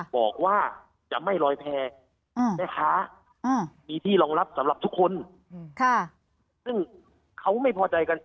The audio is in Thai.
บอกว่าจะไม่รอยแพนตีรองรับสำหรับทุกคน